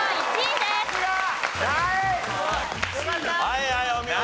はいはいお見事。